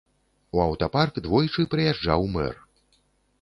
У аўтапарк двойчы прыязджаў мэр.